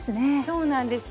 そうなんですよ。